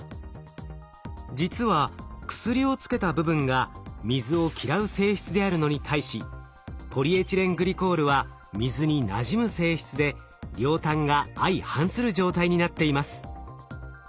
実は薬をつけた部分が水を嫌う性質であるのに対しポリエチレングリコールは水になじむ性質で両端が相反する状態になっています。